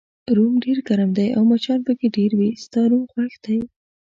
روم ډېر ګرم دی او مچان پکې ډېر وي، ستا روم خوښ دی؟